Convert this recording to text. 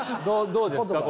どうですか？